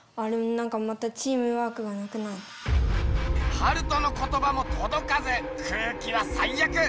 ハルトの言葉もとどかず空気は最悪。